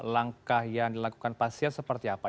langkah yang dilakukan pasien seperti apa